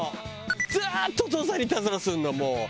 ずーっとお父さんにいたずらするのもう。